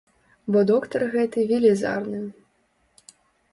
Бо доктар гэты велізарны.